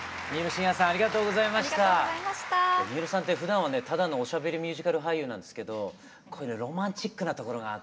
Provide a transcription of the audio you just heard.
新納さんってふだんはねただのおしゃべりミュージカル俳優なんですけどロマンチックなところがあってね